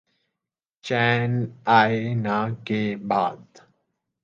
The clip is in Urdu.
چین آئے نہ کے بعد